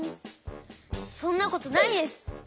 そんなことないです！